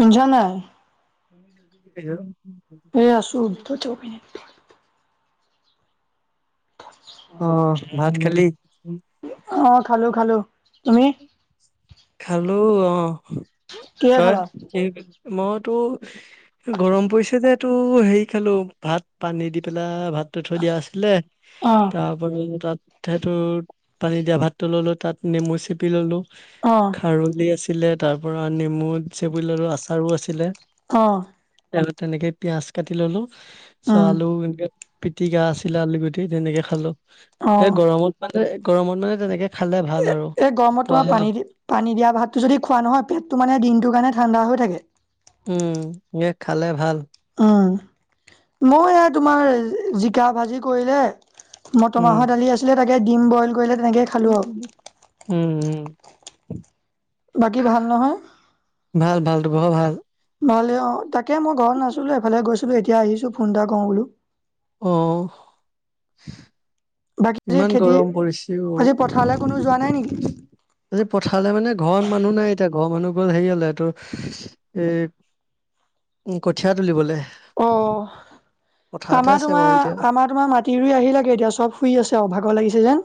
পিঞ্জৰা নাই অ', এ আছো [unintelligible] ভাত খালি? অ খালো খালো তুমি খালো অ কিহে তই খালা কি মইতো গৰম পৰিছে যে তটো হেৰি খালো ভাত পানী দি পেলাই ভ ততে থৈ দিয়া আছিলে অ তাৰ তাত সেইটো পানী দিয়া ভাতটো ললো তাত নেমু চেপি ললো অ খাৰলি আছিলে তাৰ পৰা নেমু চ বুলি ললো আচাৰো আছিলে অ তেনেকে পিয়াজ কাটি ললো চ উম আলু এনেকে পিটিকা আছিলে আলু গুটি তেনেকে খালো অ এই গৰমত মানে গৰমত মানে তেনেকে খালে ভাল আৰু এই গৰমত তোমাৰ পোৱা পানী দি পানী দিয়া ভাতটো যদি খোৱা নহয় পেটটো মানে দিনটোৰ কাৰণে ঠাণ্ডা হৈ থাকে উম ম খালে ভাল মই এই তোমাৰ জিকা ভাজি কৰিলে মটৰ উম মাহৰ দালি আছিলে তাকে ডিম বইল কৰিলে তেনেকেই খালো উম আৰু উম বাকী ভাল নহয় [unintelligible] ভাল ভালেই অ তাকে মই ঘৰত নাছিলো এফালে গৈছিলো এতিয়া আহিছো ফোন এটা কৰো বোলো অহঁ বাকী আজি ইমান খেতি গৰম পৰিছে আজি পথাৰলৈ কোনো যোৱা নাই নেকি আজি পঠালে মানে ঘৰত মানুহ নাই এতিয়া ঘৰ মানুহ গ'ল হেৰি হলে তো এই কঠীয়া তুলিবলে অ পথাৰতে আমাৰ আছে বাৰু এতিয়া তোমাৰ আমাৰ তোমাৰ মাটি ৰুই আহি লাগে এতিয়া চব শুই আছে অ ভাগৰ লাগিছে যে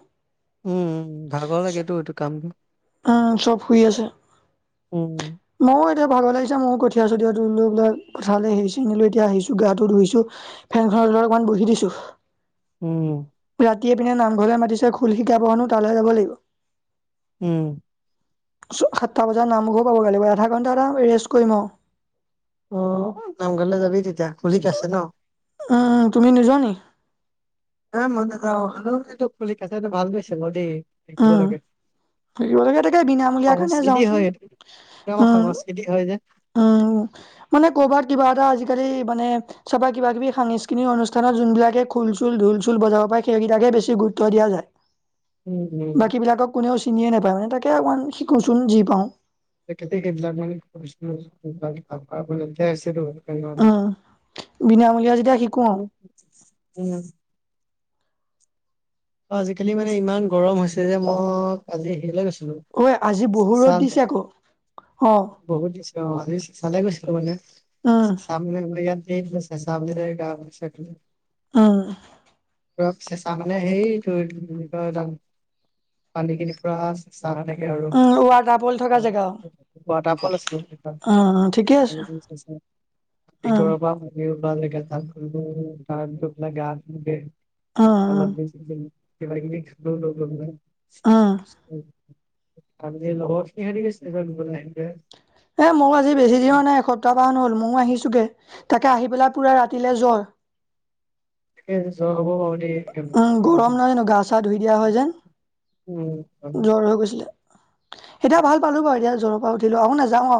উম ভাগৰ লাগেতো এইটো কামটো আহ চব শুই আছে উম ময়ো এতিয়া ভাগৰ লাগিছে মও কঠিয়া চঠিয়া এতিয়া আহিছো গাটো ধইছো ফেনখনৰ অকমান বহি দিছো উম বাকি এই পিনে নামঘৰলৈ মাতিছে খোল শিকা হেনো তালৈ যাব লাগিব উম সাতটা বজাত নামঘৰ পাব লাগিব আধা ঘণ্টা এটা ৰেষ্ট কৰিম অ অ নামঘৰলৈ যাবি তেতিয়া খুল শিকাই আছে ন উম তুমি নোযোৱা নি [unintelligible] সংস্কৃতি উম ফুৰিবলৈকে তাকে বিনামূলীয়া কাৰণে যাওঁচোন হয় সেইটো আমাৰ উম সংস্কৃতি হয় যে উম, মানে কৰ'বাত কিবা এটা আজিকালি মানে চবা কিবা কিবি সাংস্কৃতিক অনুষ্ঠানত যোনবিলাকে খু খুল চুল ঢুল চুল বজাব পায় সেইকেইাকে বেছি গুৰুত্ব দিয়া যায় উম, উম। বাকী বিলাকক কোনেও চিনিয়ে নোপায় মানে তাকে অকমান শিকোচোন যি পাওঁ উম, বিনামূলীয়া যেতিয়া শিকো [unintelligible] উম অ' আজিকালি মানে ইমান গৰম হৈছে যে মই কালি হেৰিলৈ গৈছো। ঐ আজি বহু ৰ'দ চালে দিছে আকৌ অ, বহুত দিছে অ আজি চালে গৈছ। ম উম, চাম ম ইয় ন নৈছে চাম [unintelligible] আহ চেচা মানে সেই দু বানি কিনি পুৰা চ থাকে আৰু উম, ৱাটাৰ ফল থকা জেগা ৱাটাৰফল আছিল। উম, উম, ঠিকে আছে উম, ভিতৰৰ পৰা ভাবি, গ উম, উম, [unintelligible] কিবা কিবি খালোঁ ললো কিবা। অহ, ল খৰি গৈছে [unintelligible] এ মোক আজি বেছি দিনৰ নাই এসপ্তাহান হ'ল ময়ও আহিছো তোকে তাকে আহি পেলাই পুৰা ৰাতিলে জ্বৰ। তাকে ভাবিছোঁ জৰ হব বাৰু দেই। উম, লৈ গৰম নহ জানো গা চা ধুই দিয়া হয় যেন জ্বৰ হৈ গৈছিলে। এতিয়া ভাল পালো বাৰু এতিয়া জ্বৰৰ পৰা উঠিলো আহ নাযাওঁ অ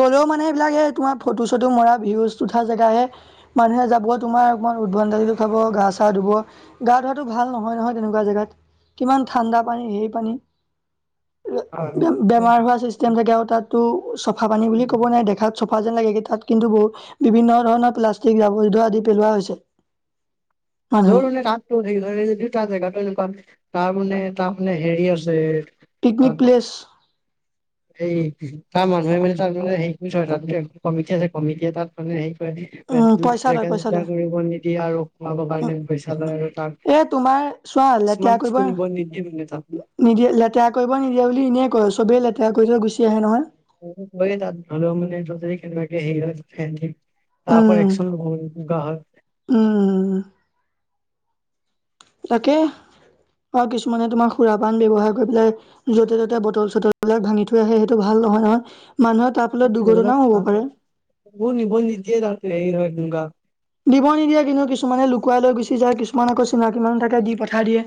গলেও মানে বলাকে তোমাৰ ফটো চটো মৰা ভিউজ উঠা জেগাাহে মানুহে যাব তোমাৰ অকণমান উদ্ভদালি দেখুৱাব। গা চা ধুব গা ধুৱাতটো ভাল নহয়-নহয় তেনেকুৱা জেগাত। কিমান ঠাণ্ডা পানী সেই পানী বেমাৰ হোৱা ছিষ্টেম থাকে আৰু তাত। তটো চফা পানী বুলি ক'ব নাই দেখাত চফা যেন লাগেগে তাত কিন্তু বহু বিভিন্ন ধৰণৰ প্লাষ্টিক দাবধ আদি পেলোৱা হৈছে মানুহে মানে তাতো হে দুয়টা জেগাতটো এনেকুৱা তাৰমানানে তাৰমানানে হেৰি আছে। পিকনিক প্লেছ সেই তাৰ মানুহে মানে তাৰ মে সে তাত কমিটি আছে কমিটিয় তাত মানে সেই। উম পইচা জে লয় পইচা জ লয় কৰিব নিদিয়ে আৰু খুৱাব কাৰণে পইচা লয় আৰু তাক এ তোমাৰ চোৱা লেতেৰা স্মাৰ্ট কৰিব ব মপনি [unintelligible] নিদিয়ে লেতেৰা কৰিব নিদিয়ে বুলি এনেই কয় চবেই লেতেৰা কৰি থ গুচি আহে নহয়। তাত ভাল মানে কে হেৰী হয়। তপ উম, একচ গা হয়। উম, তাকে। অ' কিছুমানে তোমাৰ খুৰা পান ব্যয়ৱহাৰ কৰি পেলাই য'তে ত'তে বটল চটলিলাক ভাঙি থৈ আহে সেইটো ভাল। নহয়-নহয়। নিন নিজে যে নিগ [unintelligible] দিব নিদিয়ে কিন্তু কিছুমানে লুকুৱাই লৈ গুচি যায় কিছুমান আকৌ চিনাকি মানুহ থাকে দি পঠাই দিয়ে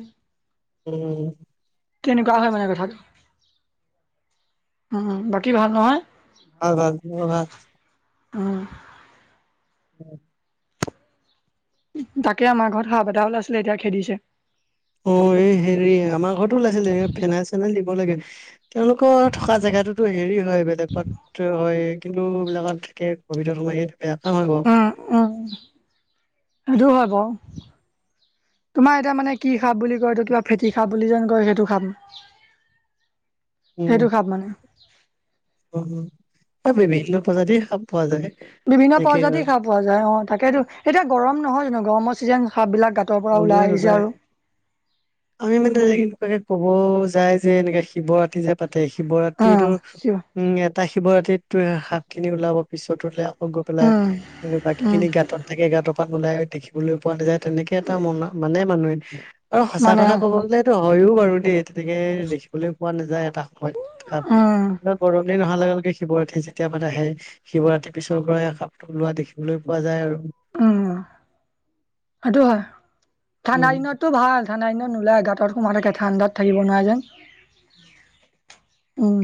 উম কেনেকুৱা হয় মানে কথাটো উম বাকী ভাল নহয় ভ ভাল ভ উ উম তাকে আমাৰ ঘৰত হাঁহ বটাাহ ওলাই আছিলে এতিয়া খেদিছে। অ' এ হেৰি আমাৰ ঘৰতো ওলাইছিলে ফেন চেনাই দিব লাগে। তেওঁলোকৰ থকা জেগাতোতো হেৰি হয় বেলেগত হয়। কিন্তুবিলাকত থাকে কভিডৰ সময় বেয়া কে হয়। আৰু হব। [inaudible] তোমাৰ এতিয়া মানে কি খাব বুলি কয় ত কিবা ফেটি খাব বুলি যেন কয় সেইটো খাম। সেইটো খাপ মানে। উ আৰু বিভিন্ন প্ৰজাতি সাপ পোৱা যায়। বিভিন্ন এনেকে আৰু প্ৰজাতিৰ সাহ পোৱা যায় অ তাকেইটো এতিয়া গৰম নহয় জানো গৰমৰ চিজন সাপবিলাক [unintelligible] কব যায় যে এনেকে শিৱৰাত্ৰ যে পাতে অ শিৱৰাত্ৰি তো চিঞৰ উম এটা শিৱৰাতিত তে শাপখিনি ওলাব পিছত ওলিয়াব গৈ পেলাই উম বাকী উম খিনি গাঁতত থাকে গাঁতৰপান ওলাই দেখিবলৈ পোৱা নাযায় তেনেকে ম মানে মানুহে আৰু সঁচা মানে কথা অ কব গলে এইটো হয়ও বাৰু দ তেনেকে দেখিবলৈ পোৱা নাযায় এটা সময় উম গৰম দিন হ লগে লগে শিৱৰাততি যেতিয়া বাত আহে শিৱৰাতিৰ পিছৰ পৰা সাপটো লোৱা দেখিবলৈ পোৱা যায় আৰু। উম সেইটো হয়। ঠাণ্ডা উম দিনততো ভাল ঠাণ্ডা দিনত নোলাই গাঁতত সোমাই থাকে ঠাণ্ডাত থাকিব নোৱাৰে যেন। উম।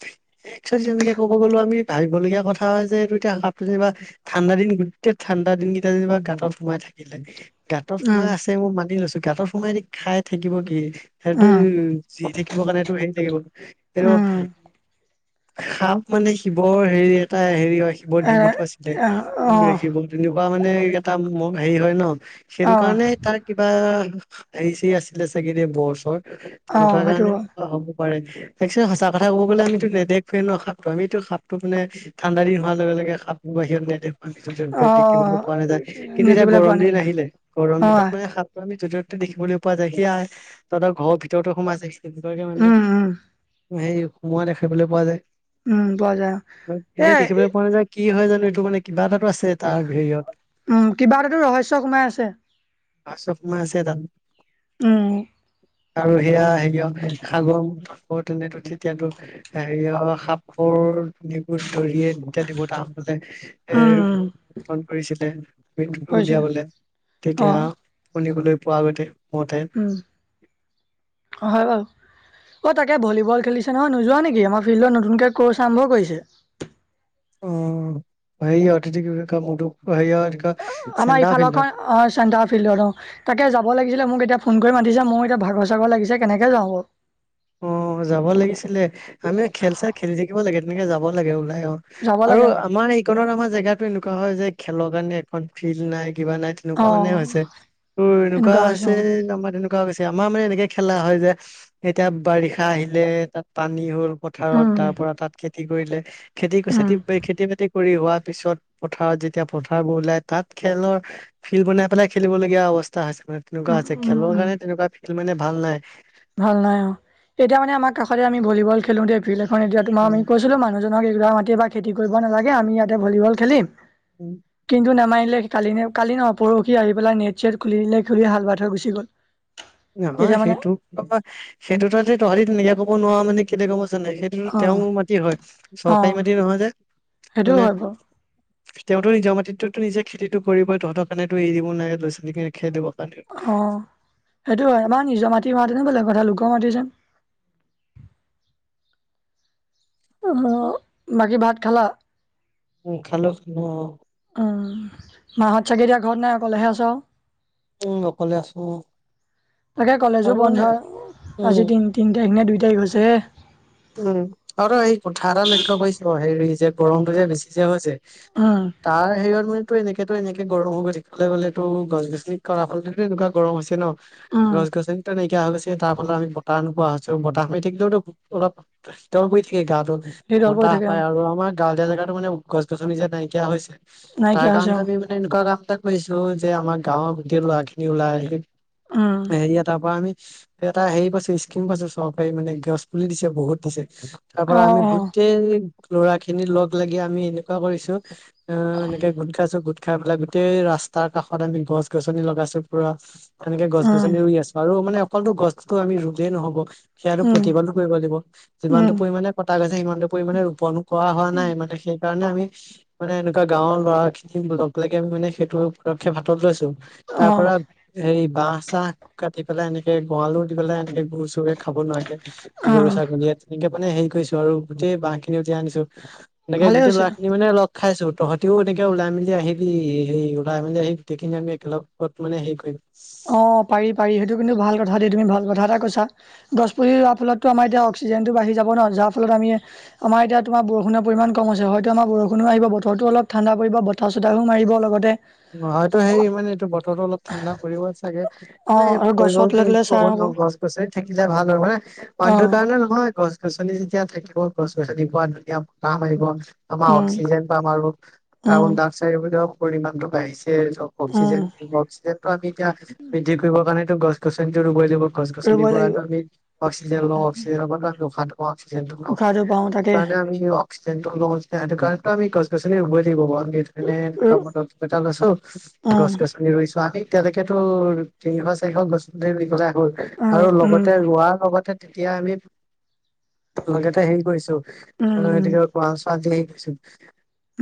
হয়। একোৱ তেনেকে ক'ব গ'লো আমি ভাবিবলগীয়া কথা হয় যে এই এতিয়া কাপ যেনিবা ঠাণ্ডা দিন গোটেই ঠাণ্ডা দুটা দিন কেইটা দিন বা গাঁত সোমাই থাকিলে গাঁত উম সোমাই আছে মই মানি লৈছো গাঁত সোমাই খাই থাকিব কি সেইটো উম যি থাকিব কাৰণে সেইটো হেৰি থাকিব সেইটো উম শাপ মানে শিৱৰ হেৰি এটা হেৰি হয়। ৰাখিব এ দিমতো আছিলে অ ৰাখিব তেনেকুৱা মানে এটা ম হেৰি হয় ন অ সেইটো কাৰণে তাৰ কিবা হেৰি চৰি আছিলে চাগে দে বৰচৰ অ তেনেকুৱা সেইটো কাৰণে হব পাৰে ত সঁচা কথা ক'ব গলে আমিতো নেখুৱে ন সাপো আমিতো সাপটো মানে ঠাণ্ডা দিন হোৱাৰ লগে খাপ খ অ দেখিবলৈ পোৱা নাযায় কিন্তু এতিয়া দেখিবলৈ গৰম পোৱা দিন নাযায় আহিলে গৰম অ দিনত মানে সাপ আমি য দেখিবলৈ পোৱা যায় সি তহঁতৰ ঘৰৰ ভিতৰতো সোমাই যায় তেনেকুৱে মানে উম উম সেৰি সোমোৱা দেখিবলৈ পোৱা যায় উম পোৱা যায় এনেই এ দেখিবলৈ পোৱা নাযায়। কি হয় জানো এইটো মানে কিবা এটাটো আছে তাৰ উম, কিবা এটাতো ৰহস্য সোমাই আছে। হেৰীয়ত। অশফ মা আছে তাত উম। আৰু সেয়া হেৰি হয়ান সাগৰ ম নে তেতিয়াতো হেৰিয় সাপোৰ ধৰিয়েতিয়া দিবতা বলে এ উম, ন কৰিছিলে মু কৰিছিলো উলিয়াবলৈ তেতিয়া অ', শনিবলৈ পোৱা আগতে উম হয় বাও। তাকে ভলীবল খেলিছে নহয় নোযোৱা নেকি আমাৰ ফিল্ডত নতুনকে ক'ৰ্চ আৰম্ভ কৰিছে। অ, হেৰিয়ত এটো কি বুলি কয় মটো হেৰিয়ত কি কয় আমাৰ চেণ্ডা ফিল্ডত ইফালৰখন অ চেণ্টাৰ ফিল্ডৰ তাকে যাব লাগিছিলে মোক এতিয়া ফোন কৰি মাতিছো মোৰ এতিয়া ভাগৰ চাগৰ লাগিছে কেনেকে যাওঁ বাৰু। অ যাব লাগিছিলে আমি খেল চেল খেলি থাকিব লাগে তেনেকে যাব লাগে ওলা অ যাব আৰু লাগে আমাৰ এইকণত আমাৰ জেগাতো এনেকুৱা হয় যে খেলৰ কাৰণে এখন ফিল্ড নাই কিবা নাই তেনেকুৱা মানে অ', হৈছে তোৰ এনেকুৱা হৈছে নাম্বাৰ তেনেকুৱা হৈছে। আমাৰ মানে এনেকে খেলা হয় যে এতিয়া বাৰিষা আহিলে তাত পানী হ'ল। পথাৰত উম, তাৰ পৰা তাত খেতি কৰিলে খেতি খেতি উম। খেতি বাতি কৰি হোৱা পিছত পথাৰত যেতিয়া পথাৰবোৰ ওলাই তাত খেলৰ ফিল্ড বনাই পেলাই খেলিবলগীয়া অবস্থা মানে তেনেকুৱা উম, আছে উম, খেলৰ উম, কাৰণে তেনেকুৱা খেল মানে ভাল নাই ভাল নাই অ'। এতিয়া মানে আমাৰ কাষতে আি ভীবল খেলোঁতেয়ািল্ড এতিয়া তোম আমি কৈছিলো মানুহজনক ৰ মাটি এইবাৰ খেতি কৰিব নালাগে আমি ইয়াতে ভলীবল খেলিম কিন্তু নামানিলে। কালি কালি ন পৰহি আহি পেলাই নেট চেট খুলি দিলে খুলি হাল ভাত হৈ গুচি গ'ল। ন এতিয়া মানে সেইটো সেইটো ত তহাৰ নিজে ক'ব নোৱাৰা মানে কেলে গম পাইছ নাই সেইটো তেওঁ অ', মাটি হয় চৰকাৰী অ', মাটি নহয় যে সেইটোও মানে হয় বাৰু তেওঁতো নিজৰ মাটিতটোতো নিজে খেতিটো কৰিবই তহঁতৰ কাৰণে তো এৰি দ নাই লৰা ছোৱালীকনে খে দিব অ', সেইটো হয়। তোমাৰ নিজৰ মাটি হোৱাহেঁতেনো বেলেগ কথা লোকৰ মাটি যে বাকী ভাত খালা? উম, খালোঁ [inaudible] উম, মাহঁত চাগে এতিয়া ঘৰত নাই অকলেহে আছ আৰু? উম, অকলে আছোঁ। তাকে, কলেজো বন্ধ উম আজি তি তিনি তাৰিখ নে দুই তাৰিখ হৈছেহে। উম, আৰু এই কঠা এটা লক্ষ্য কৈছোঁ হেৰি যে গৰমটো যে বেছি যে হৈছে। উম, তাৰ হেৰিয়ত মাইতো এনেকে সেতটো এনেকে গৰম হৈ গৈ থাকিবলৈ গ'লেতো গছ গছনি কটাৰ ফলতে এনেকুৱা গৰম হৈছে ন। উম। গছ গছনিতো নাইকিয়া হৈ গৈছে, তাৰ ফলত আমি বতাহ নোপোৱা হৈছোঁ, বতাহ মাৰি থাকিলেওতো অলপ শীতল পৰি থাকে গাটো শীতল পৰি বতাহ থাকে পায়, আৰু আমাৰ গাঁৱলীয়া জেগাত মানে গছ গছনি যে, নাইকিয়া হৈছে, তাৰ নাইকিয়া কাৰণ হৈছে আৰু আমি মানে এনেকুৱা কাম তাক কৰিছোঁ যে আমাৰ গাঁৱৰ গোটেই ল'ৰা খিনি ওলাই আহি উম, হেৰি তাৰ পৰা আমি এটা হেৰি পাইছে, স্কিম পাইছে, চৰকাৰী মানে গছ পুলি দিছে বহুত দিছে। তাৰপৰা অ', আমি অ', গোটেই ল'ৰা খিনি লগ-লাগি আমি এনেকুৱা কৰিছোঁ। অ' এনেকে গোট খাইছোঁ। গোট খাই পেলাই গোটেই ৰাস্তাৰ কাষত আমি গছ-গছনি লগাইছোঁ পোৰা। সেনেকে উম, গছ-গছনি ৰুই আছোঁ আৰু মানে অকলতো গছতো আমি ৰুলে নহ'ব সিহতক উম। প্ৰতিপালন কৰিব লাগিব। যিমান টো উম, পৰিমাণে কটা গৈছে, সিমানটো পৰিমানে ৰোপণ কৰা হোৱা নাই, মানে সেই কাৰণে আমি মানে এনেকুৱা গাঁৱৰ ল'ৰা খিনি লগ লাগি আমি মানে সেইটো পদক্ষেপ হাতত লৈছোঁ। তাৰ অ', পৰা হেই বাঁহ-চাহ কাটি পেলাই এনেকে গঁৰালো দি পেলাই এনেকে গৰু চৰুৱে খাব নোৱাৰাকে। অ', গৰু-ছাগলীয়ে তেনেক মানে হেৰি কৰিছোঁ আৰু গোটেই বাঁহ খিনি উলিয়াই আনিছোঁ। এনেকে ভালেই গোটেই হৈছে। ল'ৰা খিনি মানে লগ খাইছোঁ। তহঁতিও এনেকৈ ওলাই মেলি আহিবি হেৰি ওলাই মেলি আহি গোটেইখিনি আমি একেলগত মানে হেৰি কৰিম। অ' পাৰি পাৰি সেইটো কিন্তু ভাল কথা। ভাইটিৰ তুমি ভাল কথা এটা কৈছা। গছপুলি ৰোৱাৰ ফলতো আমাৰ এতিয়া অক্সিজেনটো বাঢ়ি যাব ন যাৰ ফলত আমি আমাৰ এতিয়া তোমাৰ বৰষুণৰ পৰিমাণ কম হৈছে হয়তো আমাৰ বৰষুণো আহিব বতৰটো অলপ ঠাণ্ডা পৰিব বতাহ চতাহৈ মাৰিব লগতে। অ' হয়তো সেই মানে এইটো বতৰতো অলপ ঠাণ্ডা কৰিব চা চাগে, অ মানে আৰু কৰিব গছৰ বুলি ন তলে আমি তলে ক'ব ছাঁ হ'ব নোৱাৰোঁ। গছ-গছন থাকিলে ভাল আৰু মানে অ পানীটোৰ কাৰণে নহয় তোমাৰ গছ-গছনি যেতিয়া থাকিব গছ-গছনিৰ পৰা ধুনীয়া বতাহ মাৰিব। আমাৰ উম অক্সিজেন পাম আৰু উম কাৰ্বন-ডাই-অক্সাইডৰ [unintelligible] পৰিমাণটো বাঢ়িছে। এ অক্সিজেন, উম অক্সিজেনটো আমি এতিয়া বৃদ্ধি কৰিবৰ কাৰণেতো গছ-গছনিতো ৰুবই লাগিব। গছ-গছনি ৰুবই লাগিব পৰাইতো আমি অক্সিজেন লওঁ, অক্সিজেনৰ পৰা আমি উশাহ উশাহটো পাওঁ তাকে ল [unintelligible] [unintelligible] ত আমি গছ-গছনি ৰুবই লাগিব আৰু উম [unintelligible] এটা লৈছো। উম গছ-গছনি ৰুইছো আমি তেনেকেতো তিনিশ-চাৰিশ গছ পুলি ৰুই [unintelligible] উ আৰু উম লগতে ৰোৱাৰ লগতে তেতিয়া আমি লগেতে হেৰি কৰিছোঁ, উম উম এইটো কি কয় [unintelligible] কৰিছোঁ।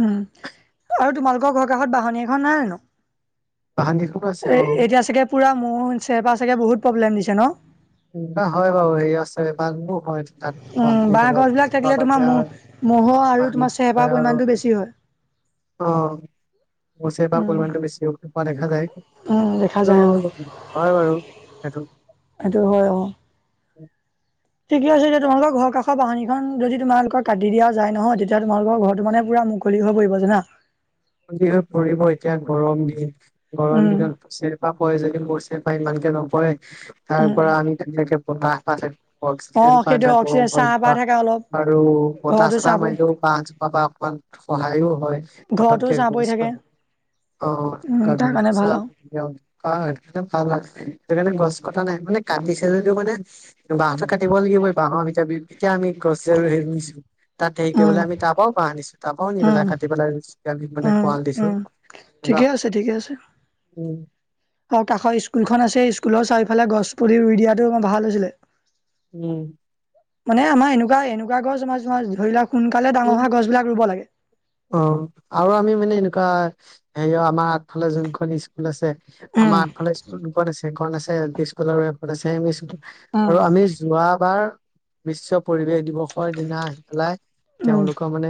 উম, আৰু তোমালোকৰ ঘৰ কাষত বাহনি এখন নাই জানো? বাহনিখনো আছে এই অ এতিয়া চাগে পোৰা মোহ হৈছে। এবাৰ চাগে বহুত প্ৰব্লেম দিছে ন? ন হয় বাৰু হেই আছে বানবোৰ [unintelligible] অ', উম, বাঁহ গছ বিলাক থাকিলে তোমাৰ মহ ম'হ আৰু তোমাৰ চেহেপা পৰিমাণটো বেছি হয়। অৱশ্যে এইবাৰ উম, পৰিমানটো বেছিকে হোৱা দেখা যায়। উম, দেখা আৰু যায় অ, হয় বাৰু সেইটো। সেইটো হয় বাৰু। [inaudible] ঠিক আছে, এতিয়া তোমালোকৰ ঘৰ কাষৰ বাহিনীখন যদি তোমালোকৰ কাটি দিয়া যায় নহয়, তেতিয়া তোমালোকৰ ঘৰটো মানে পোৰা মুক কলি হৈ পৰিব জানা। মুকলি হৈ পৰিব, এতিয়া গৰম দিন। গৰম উম, দিনত চেৰেপা পৰে যদি মোৰ চেৰেপা ইমানকে নপৰে তাৰ উম, পৰা আমি তেনেকে বতাহ পাই থাকে, অ, অক্সিজেন পাই সেইটোৱে থাকোঁ অক্সিজেন চাহ পাই [unintelligible] থাকে অলপ আৰু ঘৰতো চাহ বতাহ-চতাহ পৰি মাৰিলেও বাঁহজোপাৰ পৰা অকমান সহায়ো হয়। [unintelligible] অ [unintelligible] ঘৰতো চাহ পৰি থাকে উম, তাৰ কাৰণে ভাল আৰু লাগিছে। সেইকাৰণে গছ কটা নাই মানে কাটিছে যদিও মানে বাঁহটো কাটিব লাগিবই বাঁহৰ ভিতৰ এতিয়া আমি গছ হেৰি নিছো তাত হেৰি উম, কৰিবলে আমি [unintelligible] তাৰ পৰাও বাঁহ আনিছোঁ, তাৰ পৰাও নি পেলাই উম, কাটি পেলাই ৰুইছোঁ। আমি মানে উম, গড়াল দিছোঁ, উম, কিবা ঠিকে আছে ঠিকে আছে এই আৰু কাষৰ স্কুলখন আছে, স্কুলৰ চাৰিওফালে গছ পুলি ৰুই দিয়াটো ভাল হৈছিলে উম। মানে আমাৰ এনেকুৱা এনেকুৱা গছ আমাৰ তোমাৰ ধৰি লোৱা সোনকালে ডাঙৰ উম, হোৱা গছবিলাক ৰুব লাগে। অ', আৰু আমি মানে এনেকুৱা হেয়া আমাৰ আগফালে যোনখন স্কুল আছে, আমাৰ উম, আঠফালে স্কুল দুখন আছে এখন আছে এল পি স্কুল আৰু এখন আছে এম এ স্কুল আৰু আমি যোৱাবাৰ বিশ্ব পৰিৱেশ দিৱসৰ দিনা আহি পেলাই উম, তেওঁলোকৰ মানে